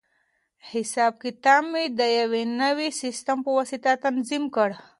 حساب کتاب مې د یوې نوې سیسټم په واسطه تنظیم کړ.